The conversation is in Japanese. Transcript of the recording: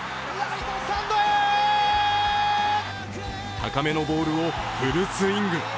高めのボールをフルスイング。